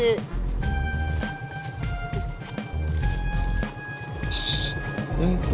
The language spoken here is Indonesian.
shhh yang itu